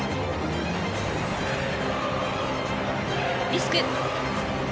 リスク。